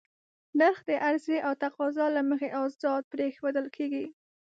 نرخ د عرضې او تقاضا له مخې ازاد پرېښودل کېږي.